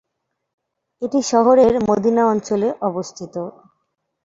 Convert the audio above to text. এটি শহরের মদিনা অঞ্চলে অবস্থিত।